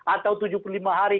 atau tujuh puluh lima hari